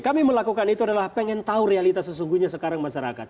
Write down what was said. kami melakukan itu adalah pengen tahu realitas sesungguhnya sekarang masyarakat